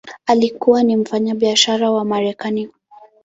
Alikuwa ni mfanyabiashara wa Marekani.